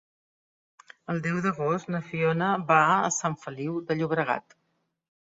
El deu d'agost na Fiona va a Sant Feliu de Llobregat.